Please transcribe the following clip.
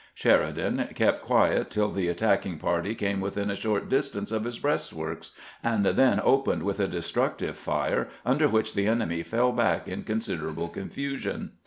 Sheridan kept quiet till the attack ing party came within a short distance of his breast works,' and then opened with a destructive fire, under which the enemy fell back in considerable confusion.